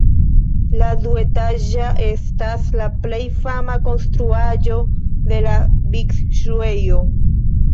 La duetaĝa estas la plej fama konstruaĵo de la bikŝuejo.